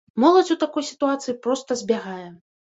Моладзь у такой сітуацыі проста збягае.